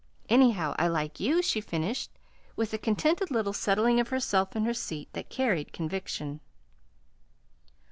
Anyhow, I like you," she finished, with a contented little settling of herself in her seat that carried conviction.